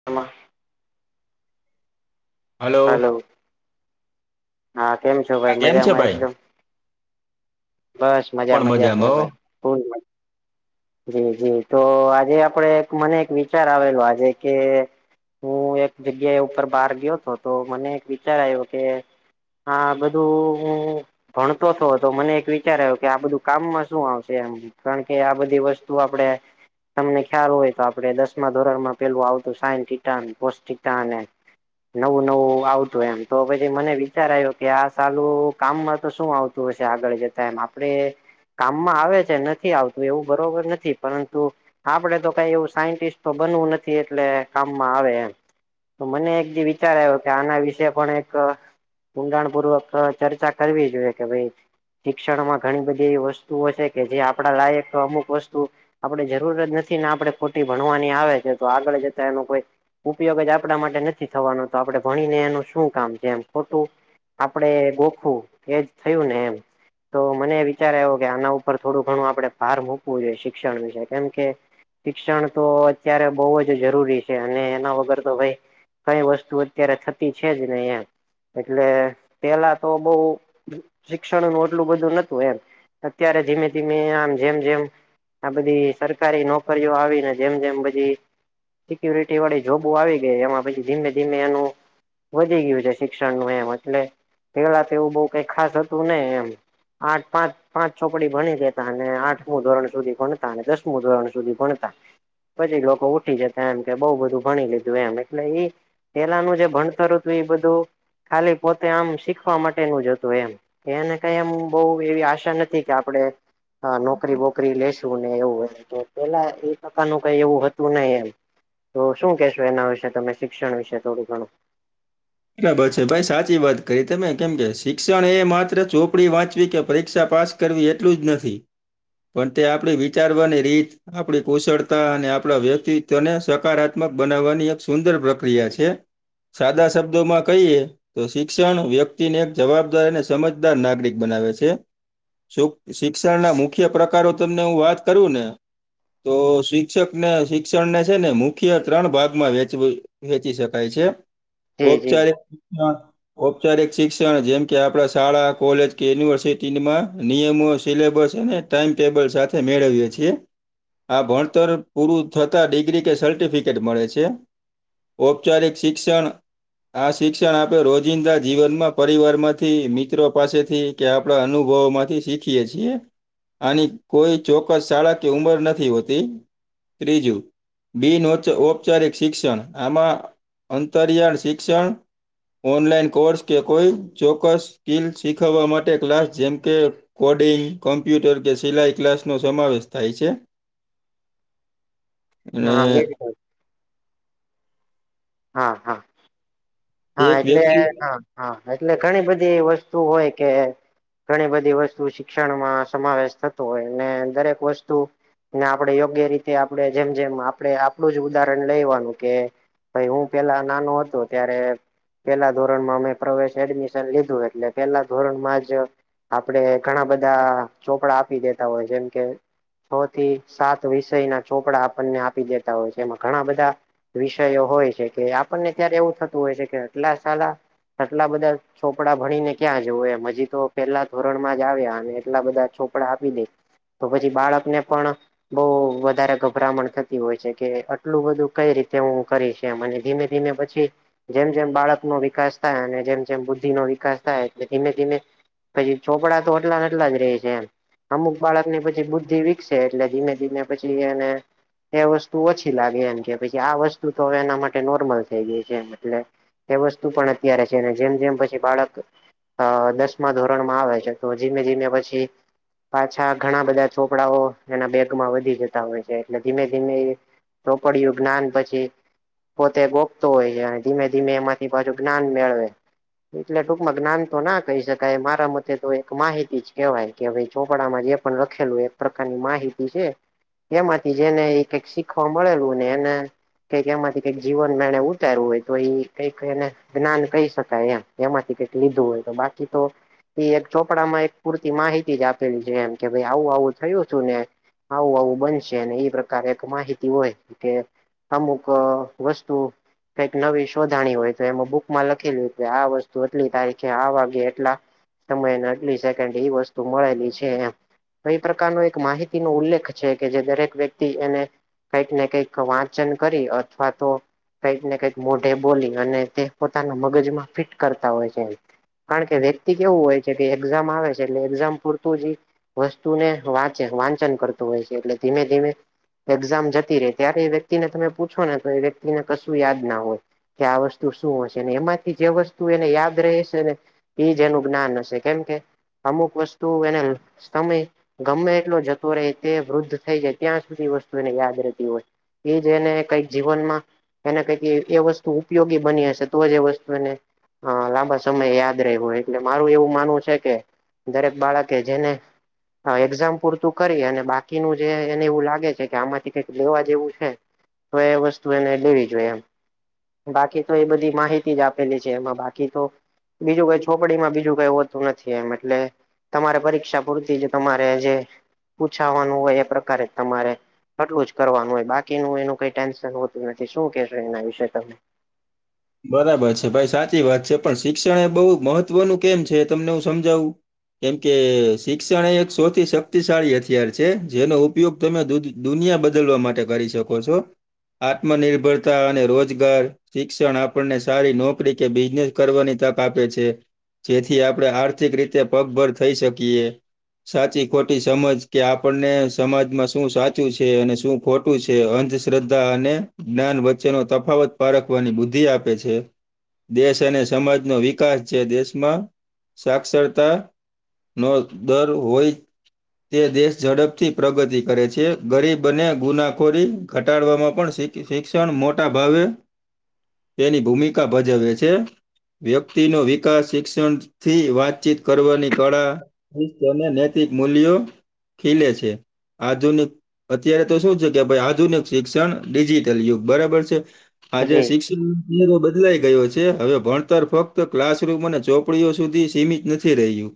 [inaudible] Hello હા કેમ છો ભાઈ કેમ છે મજામાં ભાઈ એકદમ? હું બસ મજા પણ મજા છે મજામાં હો ભાઈ. [inaudible] જી જી તો આજે આપડે મને એક વિચાર આવેલો આજે કે હું એક જગ્યા એ ઉપર બહાર ગયો તો તો મને એક વિચાર આવ્યો કે હા બધું હું ભણતો તો તો મને એક વિચ ચાર આવ્યો કે આ બધું કામમાં શું આવશે એમ કારણ કે આ બધી વસ્તુ આપડે તમને ખ્યાલ હોય તો આપણે દસમા ધોરણમાં પેલુ આવતું સાઈન થીટા ને કોસ થીટા ને. નવું નવું આવતું એમ. તો પછી મને વિચાર આવ્યો કે આ સાલું કામમાં તો શું આવ તું હશે આગળ જતા એમ આપણે કામમાં આવે છે નથી આવતું એવું બરોબર નથી. પરંતુ આપડે તો કાઈ એવું સાયન્ટિસ્ટ તો બનવું નથી એટલે કામમાં આવે એમ. તો મને એકદી વિચાર આવ્યો કે આના વિશે પણ એક ઊંડાણપૂર્વક ચર્ચા કરવી જોઈએ કે ભાઈ શિક્ષણમાં ઘણી બધી એવી વસ્તુઓ છે કે જે આપણા લાયક તો અમુક વસ્તુ આપણે જરૂર જ નથી ને આપણે ખોટી ભણવાની આવે છે. તો આગળ જતા એનું કોઈ ઉપયોગ જ આપણા માટે નથી થવાનો તો આપણે ભણીને એનું શું કામ જેમ ખોટું- - આપણે ગોખવું એજ થયું ને એમ- - તો મને વિચારે આવો કે આના ઉપર થોડું ઘણું આપણે ભાર મૂકવું જોઈએ. શિક્ષણ વિશે કેમકે- - શિક્ષણ તો અત્યારે બહુ જ જરૂરી છે અને એના વગર તો ભાઈ- - કઈ વસ્તુ અત્યારે થતી છે જ ને એમ એટલે પહેલા તો બહુ- - શિક્ષણ નું એટલું બધું ન હતું. એમ અત્યારે ધીમે ધીમે આમ જેમ જેમ- - આ બધી સરકારી નોકરીઓ આવીને જેમ જેમ બધી- - સિકુરિટી વાળી જોબો આવી ગઈ. એમાં પછી ધીમે ધીમે એનું- - વધી ગયું છે. શિક્ષણનું એમ એટલે પહેલા તો એવું બહુ કઈક ખાસ હતું નહી. એમ- - આઠ પાંચ પાંચ ચોપડી ભણી દેતા અને આઠમું ધોરણ સુધી ભણતા અને દસમું ધોરણ સુધી ભણતા- - પછી લોકો ઉઠી જતા એમ કે બહુ બધું ભણી લીધું એમ એટલે- - પહેલાનું જે ભણતર હતું. એ બધું- - ખાલી પોતે આમ શીખવા માટેનું જ હતું. એમ એને- - કઈ એમ બહુ એવી આશા નથી કે આપણે નોકરી બોકરી લે- - હતુ ને એવું પહેલા એક ટકાનું કઈ એવું હત- - હતુ નહી એમ. તો શું કેહેશો એના વિશે તમે શિક્ષણ વિશે થોડું ઘણું? બરાબર છે. ભાઈ સાચી વાત કરી તમે કેમ કે શિક્ષણ એ માત્ર ચોપડી વાંચવી કે પરીક્ષા પાસ- - કરવી એટલું જ નથી. પણ ત્યાં આપણી વિચારવાની રીત- - આપણી કુશળતા અને આપણા વ્યક્તિત્વને સકારાત્મક બનાવવાની એક સુંદર પ્રક્રિયા છે. સાદા શબ્દોમાં કહીએ- - તો શિક્ષણ વ્યક્તિને એક જવાબદાર અને સમજદાર નાગરિક બનાવે છે. શિક્ષણના મુખ્ય પ્રકારો તમને હું વાત કરું ને- - તો શિક્ષક ને શિક્ષણને છે ને મુખ્ય ત્રણ ભાગમાં વહેચવી- - વહેંચી શકાય છે. જી જી ઔપચારિકતા- - ઔપચારિક શિક્ષણ જેમ કે આપણા શાળા કોલેજ કે યુનિવર્સિટીમાં નિયમો સિલેબસ અને- - ટાઈમ ટેબલ સાથે મેળવીએ છીએ. આ ભણતર પૂરું થતા ડિગ્રી કે સર્ટિફિકેટ મળે છે. ઔપચારિક શિક્ષણ- - આ શિક્ષણ આપણે રોજિંદા જીવનમાં પરિવાર માંથી મિત્રો પાસેથી- - કે આપણા અનુભવોમાંથી શીખીએે છીએ- - આની કોઈ ચોક્કસ શાળા કે ઉંમર નથી હોતી- - ત્રીજું બિન ઔપચારિક શિક્ષણ આમાં અંતરિયાળ- - શિક્ષણ ઓનલાઈન કોર્સ કે કોઈ ચોક્કસ સ્કીલ શીખવવા માટે ક્લાસ જેમ કે કોડિંગ કોમ્પ્યુટર કે સિલાઈ ક્લાસનો સમાવેશ થાય છે. [inaudible] અને [unintelligible] હા. હા. હા. એક એટલે વ્યક્તિ હા હા એટલે ઘણી બધી વસ્તુ હોય કે ઘણી બધી વસ્તુ શિક્ષણમાં સમાવેશ થતો હોય. ને દરેક વસ્તુ ને આપણે યોગ્ય રીતે આપણે જેમ જેમ આપણે આપણુ જ ઉદાહરણ લેવાનું કે ભાઈ હું પહેલા નાનો હતો. ત્યારે પહેલા ધોરણમાં અમે પ્રવેશ એડમિશન લીધું એટલે પહેલા ધોરણમાં જ આપડે ઘણા બધા ચોપડા આપી દેતા હોય જેમ કે છ થી સાત વિષયના ચોપડા આપણને આપી દેતા હોય છે એમાં ઘણા બધા વિષયો હોય છે કે આપણને ત્યારે એવું થતું હોય છે કે આટલા સાલા આટલા બધા ચોપડા ભણીને ક્યાં જવું એમ હજી તો પહેલા ધોરણમાં જ આવ્યા અને એટલા બધા ચોપડા આપી દે. તો પછી બાળક ને પણ બઉ વધારે ગભરામણ થતી હોય છે કે આટલું બધું કઈ રીતે હું કરીશ કે મને ધીમે ધીમે પછી જેમ જેમ બાળકનો વિકાસ થાય અને જેમ જેમ બુદ્ધિનો વિકાસ થાય એટલે ધીમે ધીમે પછી ચોપડા તો આટલા ને એટલા જ રહે છે એમ અમુક બાળકની પછી બુદ્ધિ વિકસે એટલે ધીમે ધીમે પછી એને એ વસ્તુ ઓછી લાગે એમ કે પછી આ વસ્તુ તો હવે એના માટે નોર્મલ થઈ ગઈ છે એમ એટલે એ વસ્તુ પણ અત્યારે છે ને જેમ જેમ પછી બાળક અ દસમા ધોરણમાં આવે છે તો ધીમે ધીમે પછી પાછા ઘણા બધા ચોપડાઓ એના બેગમાં વધી જતા હોય છે એટલે ધીમે ધીમે એ તો પડ્યું જ્ઞાન પછી પોતે ગોખતો હોય છે ધીમે ધીમે એમાંથી પાછું જ્ઞાન મેળવે એટલે ટૂંકમાં જ્ઞાન તો ના કહી શકાય મારા મતે તો એક માહિતી જ કહેવાય કે ભાઈ ચોપડામાં જે પણ લખેલું હોય એક પ્રકારની માહિતી છે એમાંથી જેને એક એક શીખવા મળેલું ને એને કે તેમાંથી કંઈક જીવનમાં એણે ઉતારવું હોય તો એ કઈક એને જ્ઞાન કહી શકાય એમ એમાંથી કઈક લીધું હોય તો બાકી તો એ એક ચોપડામાં એક પૂરતી માહિતી જ આપેલી છે એમ કે ભાઈ આવું આવું થયું છું ને આવું આવું બનશે અને એ પ્રકારે એક માહિતી હોય કે અમુક વસ્તુ કઈક નવી શોધાણી હોય તો એમાં બુકમાં લખેલું હતું આ વસ્તુ એટલી તારીખે આ વાગે એટલા સમયને આટલી સેકન્ડ એ વસ્તુ મળેલી છે એમ કઈ પ્રકારનો એક માહિતીનો ઉલ્લેખ છે કે જે દરેક વ્યક્તિ એને કઈક ને કઈક વાંચન કરી અથવા તો કઈક ને કઈક મોઢે બોલી અને તે પોતાના મગજમાં ફિટ કરતા હોય જેમ કારણ કે વ્યક્તિ કેવું હોય છે કે એક્ઝામ આવે છે એટલે એક્ઝામ પૂરતું જઈ વસ્તુને વાંચે વાંચન કરતું હોય છે એટલે ધીમે ધીમે એક્ઝામ જતી રહે ત્યારે એ વ્યક્તિને તમે પૂછો ને તો એ વ્યક્તિને કશું યાદ જ ના હોય કે આ વસ્તુ શું હશે એમાંથી જે વસ્તુ એને યાદ રહેશે ને એજ એનું જ્ઞાન હશે કેમ કે અમુક વસ્તુ એને સમય ગમે એટલો જતો રહે તે વૃદ્ધ થઈ જાય ત્યાં સુધી વસ્તુ એને યાદ રહેતી હોય એ જે એને કઈક જીવનમાં એને કઈક એ એ વસ્તુ ઉપયોગી હશે તો જ એ વસ્તુ એને હા, લાંબા સમય યાદ રહેવું એટલે મારું એવું માનવું છે કે દરેક બાળકે જેને આ એક્ઝામ પૂરતું કરી અને બાકીનું જે એને એવું લાગે છે કે આમાંથી કંઈક લેવા જેવું છે તો એ વસ્તુ એને લેવી જોઈએ એમ બાકી તો એ બધી માહિતી જ આપેલી છે એમાં બાકી તો બીજું કઈ છોપડીમાં બીજું કાઈ હોતું નથી એમ એટલે તમારે પરીક્ષા પૂરતી જ તમારે જે પૂછાવાનું હોય એ પ્રકારે તમારે અટલું જ કરવાનું હોય બાકીનું એનું કઈ ટેન્શન હોતું નથી શું કેહેશો એના વિશે તમે બરાબર છે ભાઈ સાચી વાત છે પણ શિક્ષણ એ બહુ મહત્વનું કેમ છે તમને હું સમજાવું કેમકે શિક્ષણ એ એક સૌથી શક્તિશાળી હથિયાર છે જેનો ઉપયોગ તમે દૂધ દુનિયા બદલવા માટે કરી શકો છો. આત્મનિર્ભતાને રોજગાર શિક્ષણ આપ આપણને સારી નોકરી કે બિઝનેસ કરવાની તક આપે છે. જેથી આપડે આર્થિક રીતે પગભર થઈ શકીએ. સાચી ખોટી સમજ કે આપણને સમાજમાં શું સાચું છે અને શું ખોટું છે અંધશ્રદ્ધા અને જ્ઞાન વચ્ચે નો તફાવત પારખવાની બુદ્ધિ આપ પે છે દેશ અને સમાજનો વિકાસ જે દેશમાં સાક્ષરતા નો દર હોય તે દેશ ઝડપથી પ્રગતિ કરે છે ગરીબને ગુનાખોરી ઘટાડવામાં પણ શી શિક્ષણ મોટા ભાવે તેની ભૂમિકા ભજવે છે. વ્યક્તિનો વિકાસ શિક્ષણથી વાતચીત કરવાની કળા નૈતિક મૂલ્યો ખીલે છે આધુનિક અત્યારે તો શું છે કે ભાઈ આધુનિક શિક્ષણ ડિજિટલ યુગ બરાબર છે. આજે જી શિક્ષ બદલાઈ ગયો છે હવે ભણતર ફક્ત ક્લાસરૂમ અને ચોપડીઓ સુધી સીમિત નથી રહ્યું.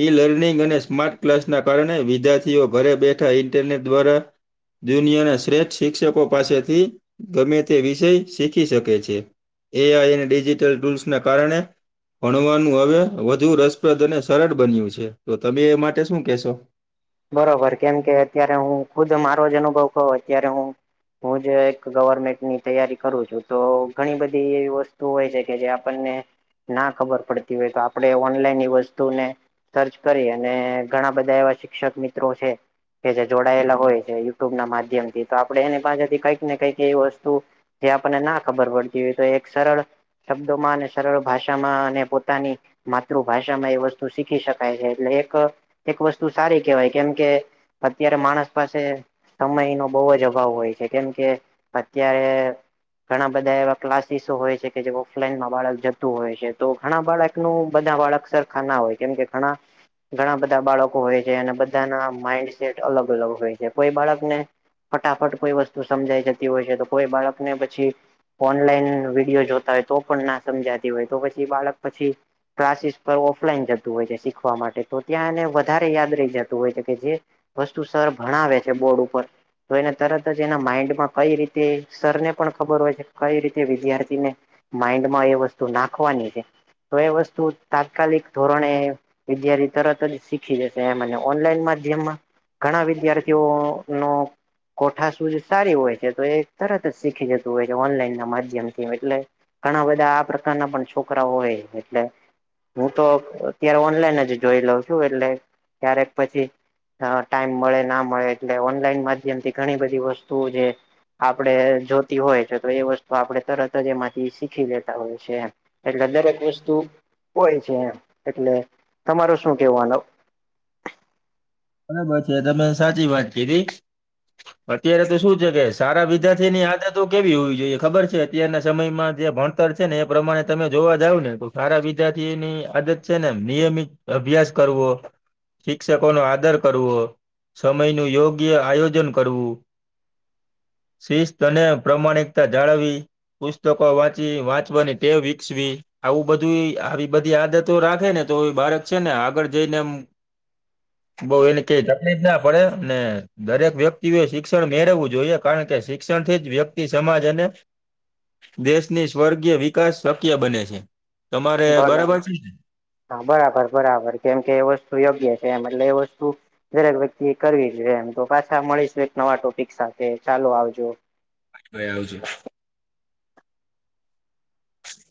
ઈ લર્નિંગ અને સ્માર્ટ ક્લાસના કારણે વિધાર્થીઓ ઘરે બેઠા ઇન્ટરનેટ દ્વારા દુનિયાના શ્રેષ્ઠ શિક્ષકો પાસેથી ગમે તે વિષય શીખી શકે છે. એ. આઈ. અને ડિજિટલ ટૂલ્સના કારણે ભણવાનું હવે વધુ રસપ્રદ અને સરળ બન્યું છે તો તમે એ માટે શું કેહેશો બરોબર કેમ કે અત્યારે હું ખુદ મારો જ અનુભવ કહું અત્યારે હું હું જ એક ગવર્મેન્ટની તૈયારી કરું છું તો ઘણી બધી એવી વસ્તુ હોય છે કે જે આપણને ના ખબર પડતી હોય તો આપડે ઓનલાઈન એ વસ્તુને સર્ચ કરી અને ઘણા બધા એવા શિક્ષક મિત્રો છે. કે જે જોડાયેલા હોય છે યુટ્યુબ ના માધ્યમ થી તો આપડે એની પાસેથી કઈક ને કંઈક એ વસ્તુ જે આપણને ના ખબર પડતી હોય એક સરળ શબ્દોમાં અને સરળ ભાષામાં અને પોતાની માતૃભાષામાં એ વસ્તુ શીખી શકાય છે એટલે એક એક વસ્તુ સારી કેવાય કેમ કે અત્યારે માણસ પાસે સમય નો બઉં જ અભાવ હોય છે કેમ કે અત્યારે ઘણા બધા એવા ક્લાસીસો હોય છે કે જે ઓફલાઈનમાં બાળક જતું હોય છે તો ઘણા બાળક તો બધા બાળક સરખા ના હોય કેમ ઘણા ઘણા બધા બાળક કો હોય છે અને બધા માઈન્ડસેટ અલગ અલગ હોય છે કોઈ બાળકને ફટાફટ કોઈ વસ્તુ સમજાઈ જતી હોય છે તો કોઈ બાળક પછી ઓનલાઈન વિડીયો જોતા હોય તો પણ ના સમજાતી હોય તો પછી બાળક પછી ક્લાસીસ પર ઓફલાઈન જતું હોય છે શીખવા માટે તો ત્યાં એને વધ ધારે યાદ રહી જતું હોય છે જે વસ્તુ સર ભણાવે છે બોર્ડ ઉપર તો એને તરત જ એના માઈન્ડમાં કઈ રીતે સરને પણ ખબર હોય છે કઈ રીતે વિદ્યાર્થીને માઈન્ડ માં એ વસ્તુ નાખવાની છે. તો એ વસ્તુ તાત્કાલિક ધોરણે વિદ્યાર્થી તરત જ શીખી એ ઓનલાઈન માધ્યમમાં ઘણા વિદ્યાર્થીઓ નો કોઠા શૂજ સારી હોય છે તો તરત જ શીખી જતું હોય છે ઓનલાઈન માધ્યમથી એટલે ઘણા બધા આ પ્રકારના પણ છોકરા હોય એટલે હું તો અત્યારે ઓનલાઈન જ જોઈ લઉં છું એટલે ક્યારેક પછી ટાઈમ મળે ના મળે એટલે ઓનલાઈન માધ્યમથી ઘણી બધી વસ્તુઓ જે આપડે જોતી હોય છે તો એ વસ્તુ આપણે તરત જ એમાંથી શીખી લેતા હોય છે એમ. એટલે દરેક વસ્તુ હોય છે એમ એટલે તમારો શું કેવાનું. બરાબર છે તમે સાચી વાત કીધી અત્યારે તો શું છે કે સારા વિદ્યાર્થીની આદત તો કેવી હોવી જોઈએ ખબર છે અત્યારના સમયમાં જે ભણતર છે ને એ પ્રમાણે તમે જોવા જાવ ને સારા વિદ્યાર્થીની આદત છે ને નિયમિત અભ્યાસ કરવો શિક્ષકોનો આ દર કરવો સમયનું યોગ્ય આયોજન કરવું. શિસ્ત અને પ્રામાણિકતા જાળવી, પુસ્તકો વાંચી વાંચવાની તેવ વિકસવી. આવું બધું આવી બધી આદતો રાખે ને તો બાળક છે ને આગળ જઈને એમ બઉ એને કઈ તકલીફ ના પડે ને દરેક વ્યક્તિએ શિક્ષણ મેળવવું જોઈએ કારણ કે શિક્ષણથી જ વ્યક્તિ સમાજ અને દેશની સ્વર્ગીય વિકાસ શક્ય બને છે, તમારે બરાબર છે ને. હા બરાબર બરાબર કેમ કે એ વસ્તુ યોગ્ય છે એમ એટલે એ વસ્તુ દરેક વ્યક્તિ કરવી જોઈએ એમ તો પાછા મળીશ એક નવા ટોપિક સાથે ચાલો આવજો. ભાઈ આવજો.